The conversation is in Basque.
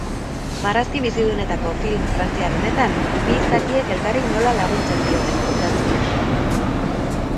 Marrazki bizidunetako film frantziar honetan bi izakiek elkarri nola laguntzen dioten kontatzen da.